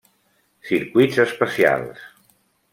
Circuits especials.